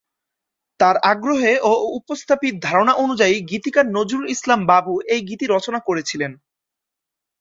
তার আগ্রহে ও উপস্থাপিত ধারণা অনুযায়ী গীতিকার নজরুল ইসলাম বাবু এই গীতি রচনা করেছিলেন।